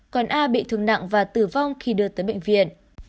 còn a bị thương nặng và tử vong khi đưa tới bệnh viện